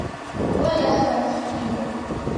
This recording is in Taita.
Olaswa ni singo.